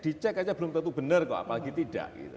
dicek aja belum tentu benar kok apalagi tidak